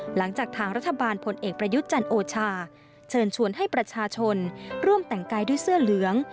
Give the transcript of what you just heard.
หลังจากทางรัฐบาลพลเอกประยุทธ์จันโอชาเชิญชวนให้ประชาชนร่วมแต่งกายด้วยเสื้อเหลือง